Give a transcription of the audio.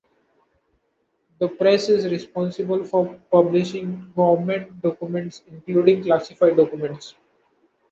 The press is responsible for publishing government documents including classified documents.